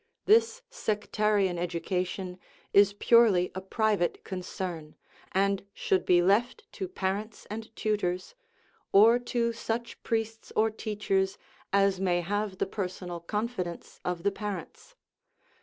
This sec tarian education is purely a private concern, and should be left to parents and tutors, or to such priests or teachers as may have the personal confidence of the parents.